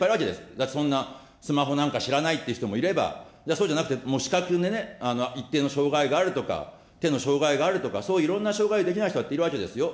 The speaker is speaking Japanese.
だってそんな、スマホなんか知らないっていう人もいれば、そうじゃなくて資格でね、一定の障害があるとか、手の障害があるとか、そういういろんな障害でできない人だっているわけですよ。